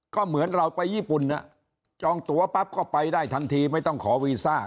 ก็เหมือนเราไปญี่ปุ่นจองตัวปั๊บก็ไปได้ทันทีไม่ต้องขอวีซ่า